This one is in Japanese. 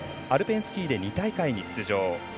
アルペンスキーで２大会に出場。